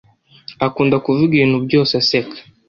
Akunda kuvuga ibintu byose aseka